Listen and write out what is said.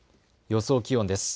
予想気温です。